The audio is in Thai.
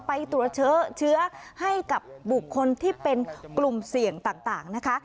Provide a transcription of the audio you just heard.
ไปตรวจเชื้อเชื้อให้กับบุคคลที่เป็นกลุ่มเสี่ยงต่างนะคะ